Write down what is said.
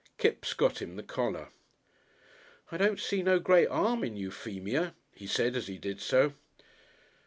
Kipps got him the collar. "I don't see no great 'arm in Euphemia," he said as he did so.